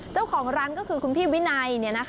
เจ้าของร้านก็คือคุณพี่วินัย